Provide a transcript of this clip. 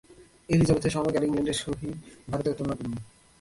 এলিজাবেথের সময়কার ইংলণ্ডের সহিত ভারতের তুলনা করুন।